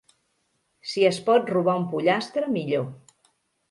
Si es pot robar un pollastre, millor.